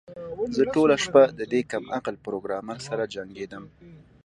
زه ټوله شپه د دې کم عقل پروګرامر سره جنګیدم